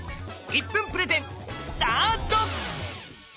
１分プレゼンスタート！